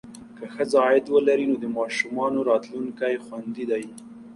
که ښځه عاید ولري، نو د ماشومانو راتلونکی خوندي دی.